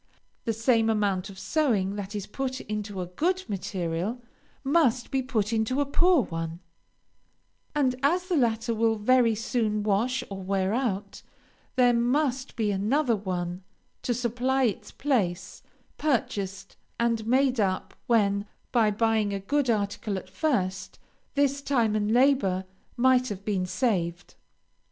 The same amount of sewing that is put into a good material, must be put into a poor one, and, as the latter will very soon wash or wear out, there must be another one to supply its place, purchased and made up, when, by buying a good article at first, this time and labor might have been saved.